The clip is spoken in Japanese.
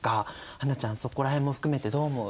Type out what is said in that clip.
英ちゃんそこら辺も含めてどう思う？